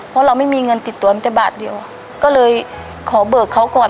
เพราะเราไม่มีเงินติดตัวมันจะบาทเดียวก็เลยขอเบิกเขาก่อน